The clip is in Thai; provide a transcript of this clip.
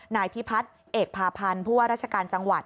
นายพิพัฒน์เอกพาพันธ์ผู้ว่าราชการจังหวัด